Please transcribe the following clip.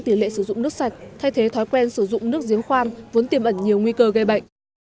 tỷ lệ sử dụng nước sạch thay thế thói quen sử dụng nước giếng khoan vốn tiềm ẩn nhiều nguy cơ gây bệnh